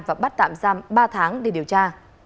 và bắt tạm giam ba tháng để điều tra